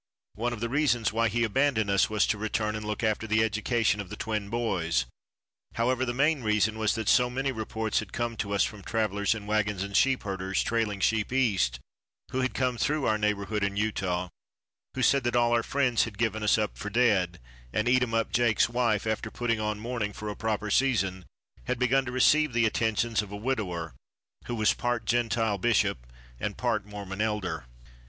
One of the reasons why he abandoned us was to return and look after the education of the twin boys. However, the main reason was that so many reports had come to us from travelers in wagons and sheepherders trailing sheep east, who had come through our neighborhood in Utah, who said that all our friends had given us up for dead, and Eatumup Jake's wife, after putting on mourning for a proper season, had begun to receive the attentions of a widower, who was part Gentile bishop and part Mormon elder.